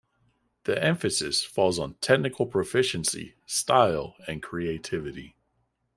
The emphasis falls on technical proficiency, style and creativity.